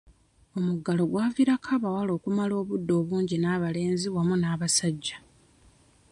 Omuggalo gwavirako abawala okumala obudde obungi n'abalenzi wamu n'abasajja.